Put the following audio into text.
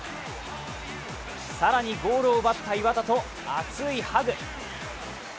更にゴールを奪った岩田と熱いハグ。